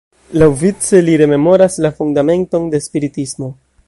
Laŭvice li rememoras la fundamenton de Spiritismo.